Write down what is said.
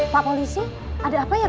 pak polisi ada apa ya pak